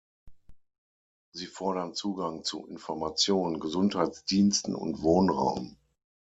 Sie fordern Zugang zu Information, Gesundheitsdiensten und Wohnraum.